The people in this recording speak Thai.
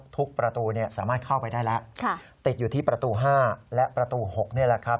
ประตูสามารถเข้าไปได้แล้วติดอยู่ที่ประตู๕และประตู๖นี่แหละครับ